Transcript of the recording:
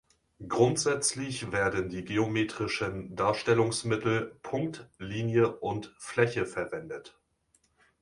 Grundsätzlich werden die geometrischen Darstellungsmittel "Punkt", "Linie" und "Fläche" verwendet.